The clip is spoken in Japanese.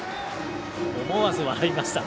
思わず笑いました。